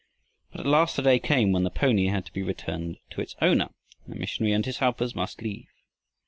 But at last the day came when the pony had to be returned to its owner and the missionary and his helpers must leave.